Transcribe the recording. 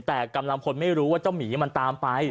แต่กำลังพลไม่รู้ว่าเจ้าหมีมันตามไป